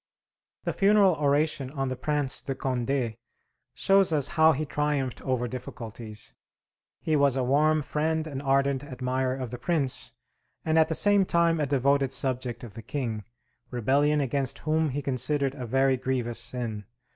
The funeral oration on the Prince de Condé shows us how he triumphed over difficulties. He was a warm friend and ardent admirer of the Prince, and at the same time a devoted subject of the King, rebellion against whom he considered a very grievous sin.